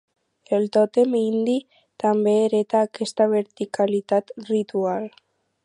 El tòtem indi també hereta aquesta verticalitat ritual.